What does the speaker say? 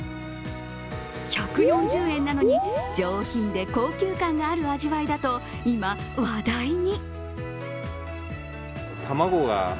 １４０円なのに、上品で高級感がある味わいだと今、話題に。